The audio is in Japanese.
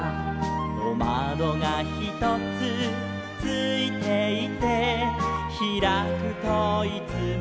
「おまどがひとつついていて」「ひらくといつも」